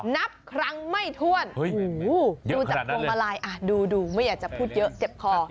นับครั้งไม่ถ้วนดูจากพวงมาลัยดูไม่อยากจะพูดเยอะเจ็บคอ